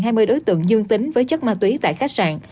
phát hiện hai mươi đối tượng dương tính với chất ma túy tại khách sạn